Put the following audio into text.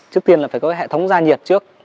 trước tiên là phải có hệ thống ra nhiệt trước